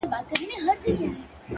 خپل وخت په ارزښتناکو کارونو ولګوئ